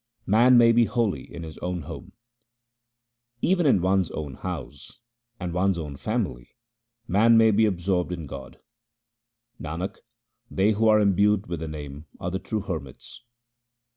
Man may be holy in his own home :— Even in one's own house and one's own family man may be absorbed in God. Nanak, they who are imbued with the Name are the true hermits.